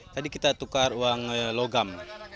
tadi kita tukar uang logam